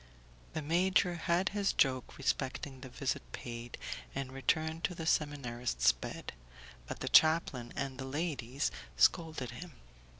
The major had his joke respecting the visit paid and returned to the seminarist's bed, but the chaplain and the ladies scolded him.